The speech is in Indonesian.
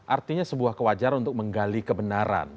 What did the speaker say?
artinya sebuah kewajaran untuk menggali kebenaran